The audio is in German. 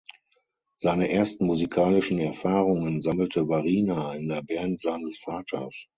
Seine ersten musikalischen Erfahrungen sammelte Wariner in der Band seines Vaters.